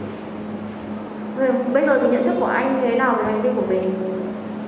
bây giờ thì nhận thức của anh như thế nào về hành vi của mình